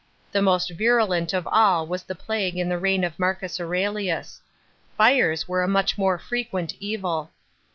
The most virul nt of all was the plague in the reign of Marcus Aurelius Fires were a much more frequent evil.